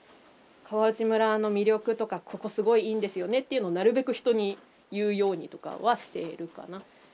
川内村の魅力とかここすごいいいんですよねっていうのをなるべく人に言うようにとかはしているかな。